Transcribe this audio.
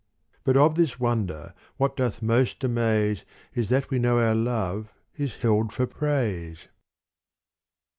But of this wonder, what doth most* amaze Is that we know our love is held for praise